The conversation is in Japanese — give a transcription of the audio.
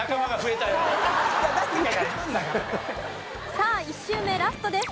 さあ１周目ラストです。